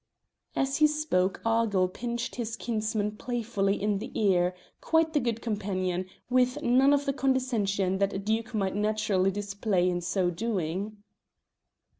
As he spoke Argyll pinched his kinsman playfully on the ear, quite the good companion, with none of the condescension that a duke might naturally display in so doing.